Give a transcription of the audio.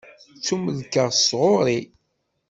Ttumellkeɣ s tɣuri.